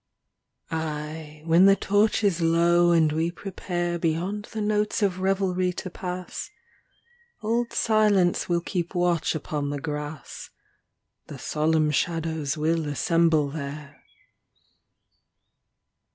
XXII Aye, when the torch is low and we prepare Beyond the notes of revelry to pass Old Silence will keep watch upon the grass, The solemn shadows will assemble there.